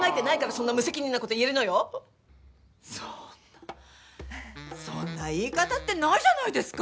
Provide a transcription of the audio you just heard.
そんなそんな言い方ってないじゃないですか。